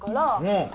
うん。